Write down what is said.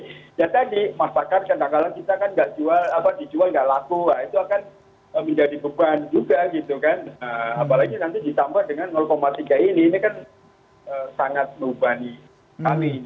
apalagi nanti ditambah dengan tiga ini ini kan sangat membani kami